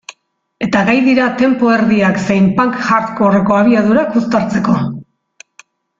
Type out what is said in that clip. Eta gai dira tempo erdiak zein punk-hardcoreko abiadurak uztartzeko.